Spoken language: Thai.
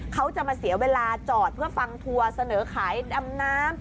เขาจะมาเสียเวลาจอดเพื่อฟังทัวร์เสนอขายดำน้ำ